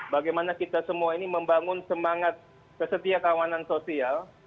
bagaimana kita semua ini membangun semangat kesetia kawanan sosial